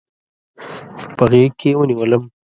په غېږ کې ونیولم.